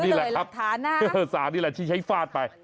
ถือเลยหลักฐานนะฮะใช้ฟาดไป